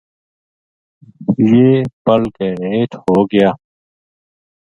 یہ پَل کے ہیٹھ ہو گیا